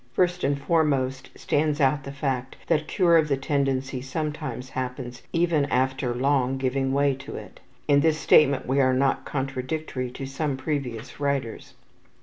First and foremost stands out the fact that cure of the tendency sometimes happens even after long giving way to it. In this statement we are not contradictory to some previous writers.